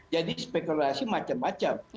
jadi spekulasi macam macam